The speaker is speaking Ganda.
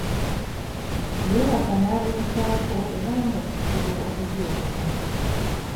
Yeebaka n’abulizaako era nga kizibu okuzuukuka.